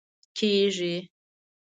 کیږي